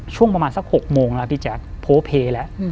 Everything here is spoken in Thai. ช่วงประมาณสัก๖โมงแล้วพี่แจ๊คโพเพแล้ว